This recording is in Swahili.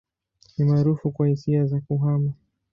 Ni maarufu kwa hisia za kuhama.